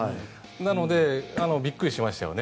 なので、びっくりしましたよね